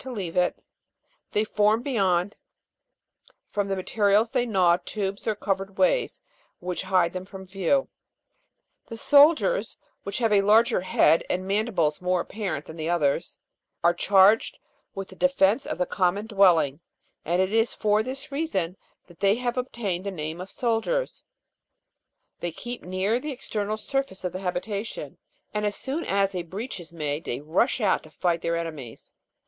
to leave it, they form beyond, from the materials they gnaw, tubes or covered ways which hide them from view. The soldiers, which have a larger head, and mandibles more apparent than the others, are charged with the defence of the common dwelling, and it is for this reason they have obtained the name of soldiers ; they keep near the external surface of the habita tion, and as soon as a breach is made, they rush out to fight their enemies.